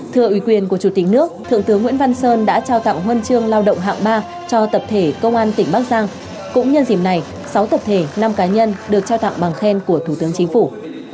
thưa ủy quyền của chủ tịch nước thượng tướng nguyễn văn sơn đã trao tặng huân chương lao động hạng ba cho tập thể công an tỉnh bắc giang cũng nhân dịp này sáu tập thể năm cá nhân được trao tặng bằng khen của thủ tướng chính phủ